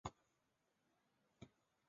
此外他也曾是法国群众党成员。